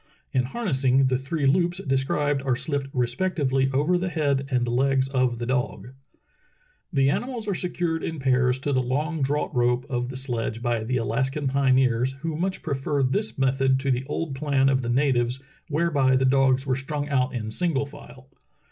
In harnessing, the three loops described are sHpped respectively over the head and legs of the dog. The animals are secured in pairs to the long draught rope of the sledge by the Alaskan pioneers, who much prefer this method to the old plan of the natives where by the dogs were strung out in single file.